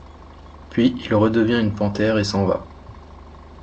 Puis il redevient une panthère et s'en va.